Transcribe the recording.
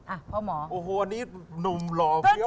อันนี้หนุ่มหล่อเยอะเลย